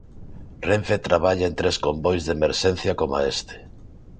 Renfe traballa en tres convois de emerxencia coma este.